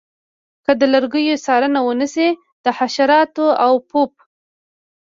که د لرګیو څارنه ونشي د حشراتو او پوپ